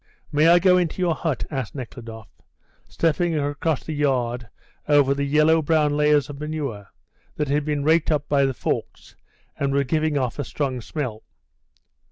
"May I go into your hut?" asked Nekhludoff, stepping across the yard over the yellow brown layers of manure that had been raked up by the forks, and were giving off a strong smell.